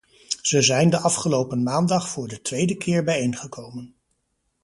Ze zijn afgelopen maandag voor de tweede keer bijeengekomen.